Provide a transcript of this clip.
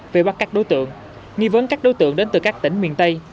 về bắt các đối tượng nghi vấn các đối tượng đến từ các tỉnh miền tây